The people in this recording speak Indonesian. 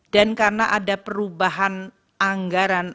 dan karena ada perubahan anggaran